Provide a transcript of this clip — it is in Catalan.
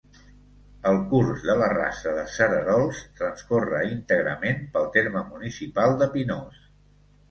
El curs de la Rasa de Cererols transcorre íntegrament pel terme municipal de Pinós.